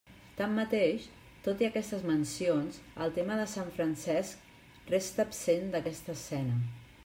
Tanmateix, tot i aquestes mencions, el tema de sant Francesc resta absent d'aquesta escena.